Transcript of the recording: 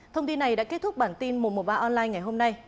thông tin này đã kết thúc bản tin một trăm một mươi ba online ngày hôm nay